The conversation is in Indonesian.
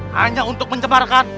hanya untuk mencemarkan